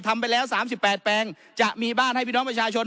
ทำไปแล้ว๓๘แปลงจะมีบ้านให้พี่น้องประชาชน